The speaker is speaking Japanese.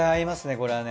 これはね。